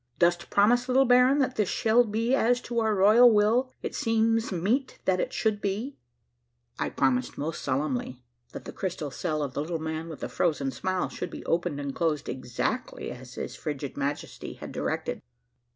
Dost promise, little baron, that this shall be as to our royal will, it seems meet that it should be ?"• I promised most solemnly that the crystal cell of the Little Man with the Frozen Smile should be opened and closed exactly as his frigid Majesty had directed.